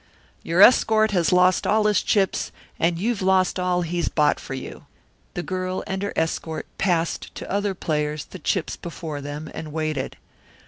"Your escort has lost all his chips and you've lost all he bought for you " The girl and her escort passed to other players the chips before them, and waited.